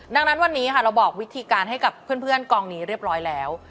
ดังนั้นวันนี้ค่ะเราบอกวิธีการให้กับเพื่อนกองนี้เรียบร้อยแล้ว